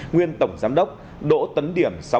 nguyên tổng giám đốc đỗ tấn điểm